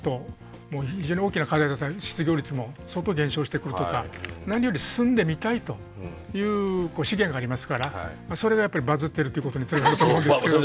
非常に大きな課題だった失業率も相当減少してくるとか何より住んでみたいという資源がありますからそれがやっぱりバズってるっていうことにつながると思うんですけど。